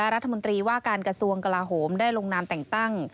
รัฐมนตรีว่าการกระทรวงกลาโหมได้ลงนามแต่งตั้ง